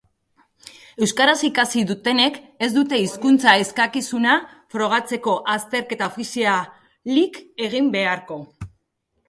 Euskaraz ikasi dutenek ez dute hizkuntza-eskakizuna frogatzeko azterketa ofizialik egin beharko.